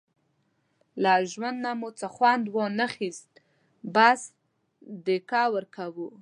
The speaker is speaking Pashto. له ژوند نه مو څه وخوند وانخیست، بس دیکه ورکوو.